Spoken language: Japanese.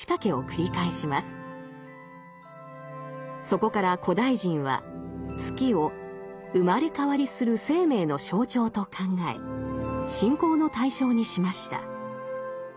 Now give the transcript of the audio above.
そこから古代人は月を生まれ変わりする生命の象徴と考え信仰の対象にしました。